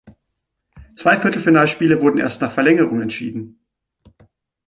Zwei Viertelfinalspiele wurden erst nach Verlängerung entschieden.